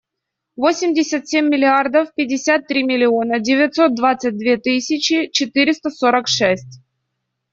Восемьдесят семь миллиардов пятьдесят три миллиона девятьсот двадцать две тысячи четыреста сорок шесть.